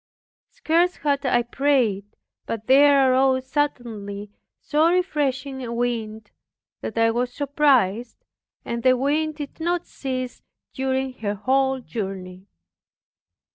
Scarce had I prayed, but there arose suddenly so refreshing a wind, that I was surprised and the wind did not cease during her whole journey.